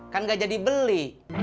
kan gak jadi beli